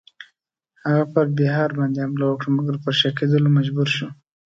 هغه پر بیهار باندی حمله وکړه مګر پر شا کېدلو مجبور شو.